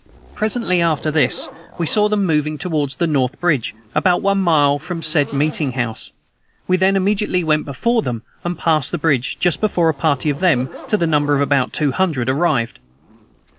Presently after this, we saw them moving toward the north bridge, about one mile from said meeting house; we then immediately went before them, and passed the bridge just before a party of them, to the number of about two hundred, arrived.